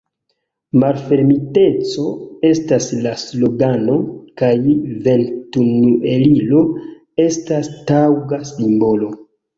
Malfermiteco estas la slogano, kaj ventomuelilo estas taŭga simbolo.